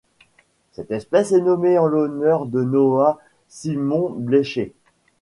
Cette espèce est nommée en l'honneur de Noa Simon-Blecher.